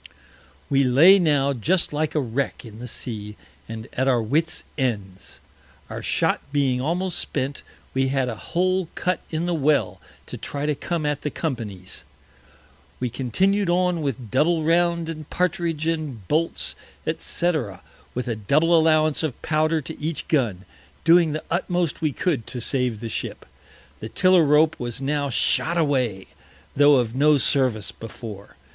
We lay now just like a Wreck in the Sea, and at our Wits Ends. Our Shot being almost spent, we had a Hole cut in the Well to try to come at the Company's. We continued on with Double round and Partridge, and Bolts, &c. with a Double Allowance of Powder to each Gun, doing the utmost we could to save the Ship. The Tiller rope was now shot away, tho' of no Service before.